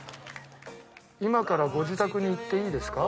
今からご自宅に行っていいですか？